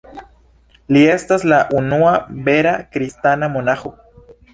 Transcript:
Li estas la unua vera kristana monaĥo.